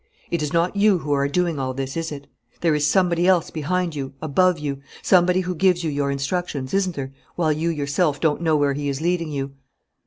It is not you who are doing all this, is it? There is somebody else behind you, above you somebody who gives you your instructions, isn't there, while you yourself don't know where he is leading you?"